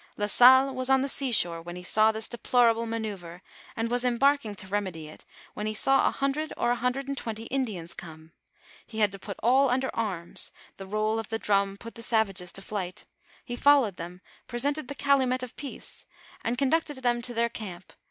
La Salle was on the seashore when he saw this deplorable maneuvre, and was embarking to remedy it, when he saw a hundred or a hundred and twenty TnJiar.s come; he had to put all under arms, the roll of «he drini put the savages to flight; he followed them, presento'i the calumet of peace, and conducted them to their canr